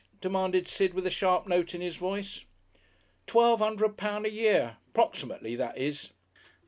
demanded Sid, with a sharp note in his voice. "Twelve 'undred pound a year 'proximately, that is...."